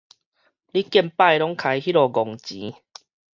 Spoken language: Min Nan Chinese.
你見擺都開彼號戇錢